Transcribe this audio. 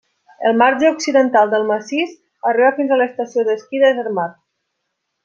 El marge occidental del massís arriba fins a l'estació d'esquí de Zermatt.